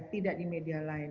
tidak di media lain